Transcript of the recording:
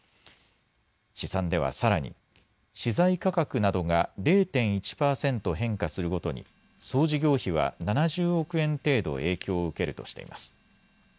試算ではさらに資材価格などが０．１％変化するごとに総事業費は７０億円程度影響を受けるとしています。